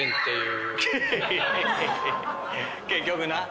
結局な。